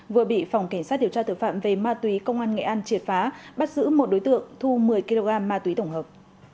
vừa bị phòng cảnh sát điều tra tội phạm về ma túy công an nghệ an triệt phá bắt giữ một đối tượng thu một mươi kg ma túy tổng hợp